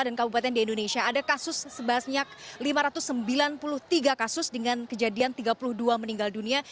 kabupaten di indonesia ada kasus sebanyak lima ratus sembilan puluh tiga kasus dengan kejadian tiga puluh dua meninggal dunia